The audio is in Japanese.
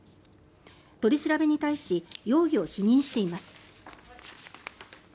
取り調べに対し容疑を否認しています。